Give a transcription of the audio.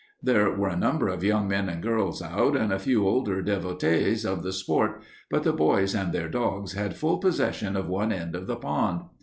There were a number of young men and girls out and a few older devotees of the sport, but the boys and their dogs had full possession of one end of the pond.